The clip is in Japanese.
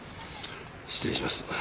失礼します。